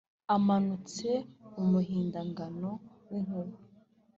amanutse mu muhindagano w’inkuba,